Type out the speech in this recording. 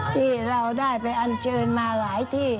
ที่เราได้ไปอันเชิญมาหลายที่